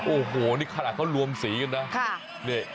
โอ้โหนี่ขนาดเขารวมสีกันนะ